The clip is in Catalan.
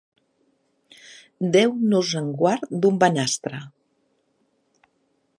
Déu nos en guard d'un banastra.